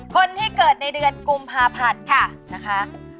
คนที่เกิดในเดือนกุมภาพันธ์ค่ะนะคะ